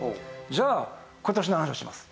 じゃあ今年の話をします。